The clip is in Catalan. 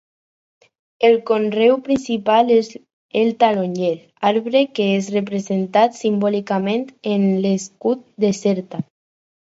El conreu principal és el taronger, arbre que és representat simbòlicament en l'escut de Xerta.